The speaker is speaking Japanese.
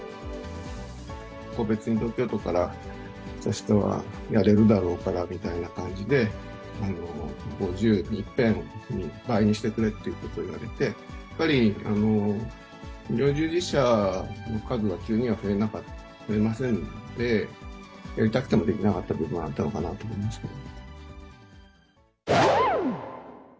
個別に東京都から、やれるだろうからみたいな感じで、５０にいっぺん、いっぱいにしてくれってことを言われて、やっぱり医療従事者の数は急には増えませんので、やりたくてもできなかった部分はあったのかなと思いますけれども。